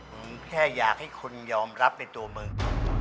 แค่อยากให้คนยอมรับในตัวมึง